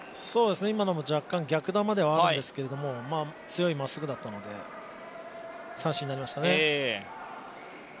今のも若干逆球ではあるんですけれども、強いまっすぐだったので三振になりましたね。